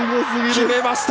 決めました！